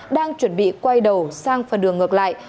đang chuẩn bị quay đầu sang phần đường ngược lại